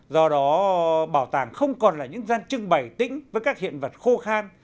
do đó bảo tàng không còn là những gian trưng bày tỉnh với các hiện vật khô khan